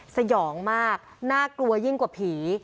สยองมากน่ากลัวยิ่งกว่าผี